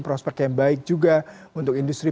prospek yang baik juga untuk industri